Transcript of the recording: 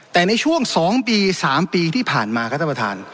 แต่ในช่วง๒ปี๓ปีที่ผ่านมาครับท่านประธาน